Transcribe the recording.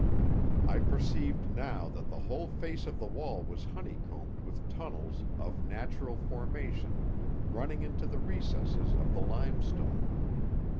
I perceived now that the whole face of the wall was honeycombed with tunnels of natural formation running into the recesses of the limestone.